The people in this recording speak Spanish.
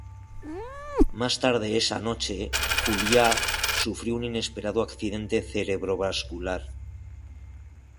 Más tarde esa noche, Juliá sufrió un inesperado accidente cerebrovascular.